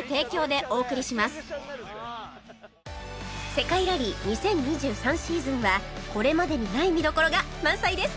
世界ラリー２０２３シーズンはこれまでにない見どころが満載です